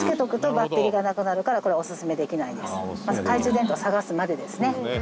まず懐中電灯探すまでですね